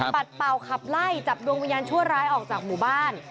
ปัดเป่าขับไล่จับดวงวิญญาณชั่วร้ายออกจากหมู่บ้าน